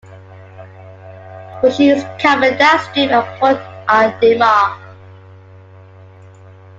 Fishing is common downstream at Pont-Audemer.